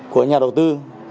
của nhà đầu tư